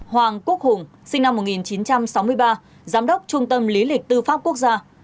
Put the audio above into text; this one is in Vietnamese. hoàng quốc hùng sinh năm một nghìn chín trăm sáu mươi ba giám đốc trung tâm lý lịch tư pháp quốc gia